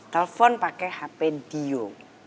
telepon pake hp dio